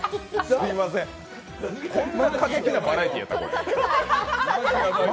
すいません、こんな過激なバラエティーやったん。